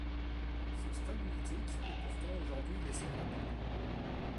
Ce stade mythique est pourtant aujourd’hui laissé à l'abandon.